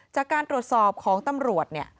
จากการตรวจสอบของตำรวจเนี่ย